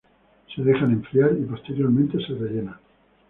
Se dejan enfriar y posteriormente se rellenan.